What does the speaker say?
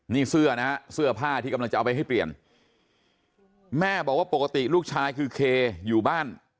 นี่เสื้อนะฮะเสื้อผ้าที่กำลังจะเอาไปให้เปลี่ยนแม่บอกว่าปกติลูกชายคือเคอยู่บ้าน